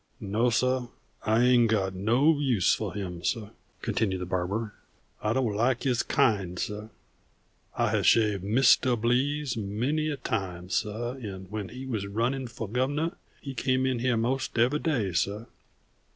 "No, suh, I ain't got no use fo' him, suh," continued the barber. "I don't like his kind, suh. I have shaved Mistuh Blease many a time, suh, an' when he was runnin' fo' Governah he came in hyere most every day, suh.